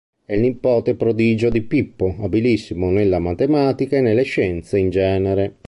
È il nipote prodigio di Pippo, abilissimo nella matematica e nelle scienze in genere.